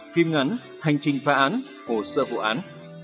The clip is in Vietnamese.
phim ngắn hành trình phá án hồ sơ vụ án